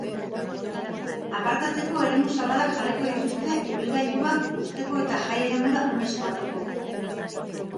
Aparkatzeko eremu zabalak jarriko dituzte ibilgailuak uzteko eta jai-eremura oinez joateko.